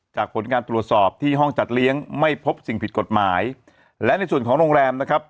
ผลการตรวจสอบที่ห้องจัดเลี้ยงไม่พบสิ่งผิดกฎหมายและในส่วนของโรงแรมนะครับ